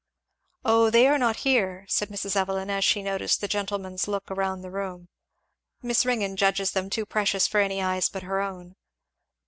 O they are not here," said Mrs. Evelyn as she noticed the gentleman's look round the room; "Miss Ringgan judges them too precious for any eyes but her own.